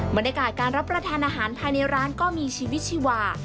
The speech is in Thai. บรรยากาศการรับประทานอาหารภายในร้านก็มีชีวิตชีวา